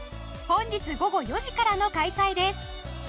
本日午後４時からの開催です。